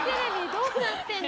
どうなってんの。